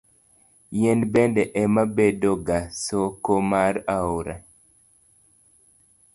Yien bende ema bedoga soko mar aore.